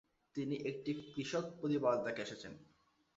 তিনি একটি কৃষক পরিবার থেকে এসেছেন।